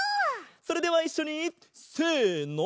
それではいっしょに！せの！